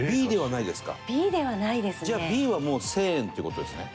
じゃあＢはもう１０００円って事ですね。